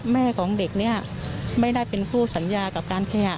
แม่ของเด็กเนี่ยไม่ได้เป็นผู้สัญญากับการขยะ